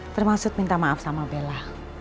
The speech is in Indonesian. termasuk minta maaf sama bella